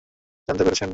আপনি তো জানতে পেরেছেন।